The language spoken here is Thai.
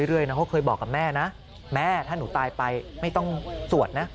เรื่อยนะเขาเคยบอกกับแม่นะแม่ถ้าหนูตายไปไม่ต้องสวดนะ